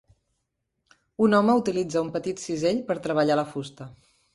Un home utilitza un petit cisell per treballar la fusta.